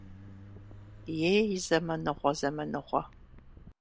Ей, зэманыгъуэ, зэманыгъуэ!